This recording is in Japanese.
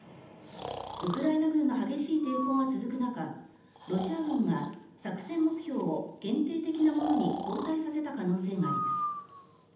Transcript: ウクライナ軍の激しい抵抗が続く中、ロシア軍が作戦目標を限定的なものに後退させた可能性があります。